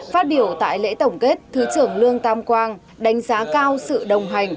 phát biểu tại lễ tổng kết thứ trưởng lương tam quang đánh giá cao sự đồng hành